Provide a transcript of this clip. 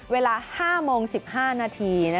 เวลา๕โมง๑๕นาที